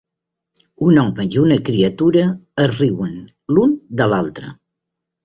Un home i una criatura es riuen l'un de l'altre.